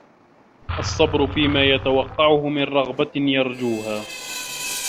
الصَّبْرُ فِيمَا يَتَوَقَّعُهُ مِنْ رَغْبَةٍ يَرْجُوهَا